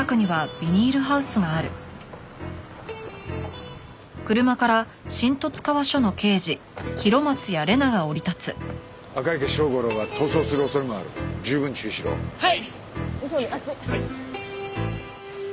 はい！